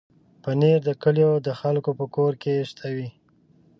پنېر د کلیو د خلکو په کور کې شته وي.